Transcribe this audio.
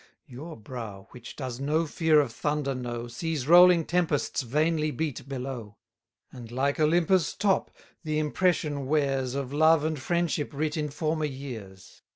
Your brow, which does no fear of thunder know, Sees rolling tempests vainly beat below; And, like Olympus' top, the impression wears Of love and friendship writ in former years.